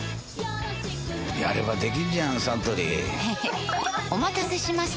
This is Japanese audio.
やればできんじゃんサントリーへへっお待たせしました！